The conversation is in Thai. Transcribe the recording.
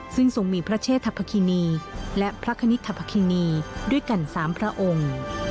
ซึ่งส่งมีพระเชศทัพพคินีและพระคณิตทัพพคินีด้วยกันสามพระองค์